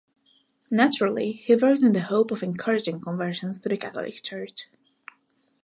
Naturally, he worked in the hope of encouraging conversions to the Catholic Church.